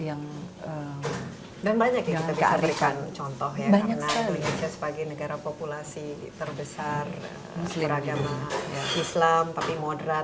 dan banyak ya kita bisa berikan contoh ya karena indonesia sebagai negara populasi terbesar beragama islam tapi moderat